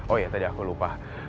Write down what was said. oh ya tadi aku lupa